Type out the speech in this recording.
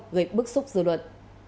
gây bức xúc dư luận